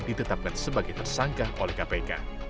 ditetapkan sebagai tersangka oleh kpk